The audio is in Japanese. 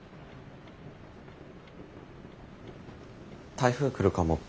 台風来るかもって。